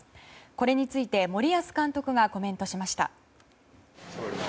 これについて、森保監督がコメントしました。